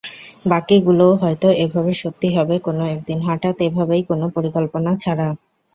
বাকিগুলোও হয়তো এভাবে সত্যি হবে কোনো একদিন হঠাৎ-এভাবেই কোনো পরিকল্পনা ছাড়া।